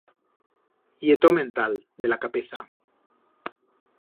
Ye tot mental, de la capeza.